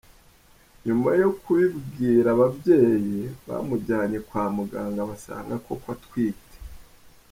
Nyuma yo kubibwira ababyeyi bamujyanye kwa muganga basanga koko atwite.